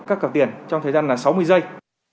các cặp tiền trong thời gian sáu mươi giây